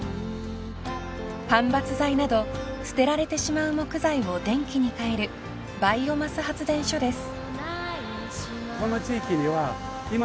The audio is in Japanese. ［間伐材など捨てられてしまう木材を電気に変えるバイオマス発電所です］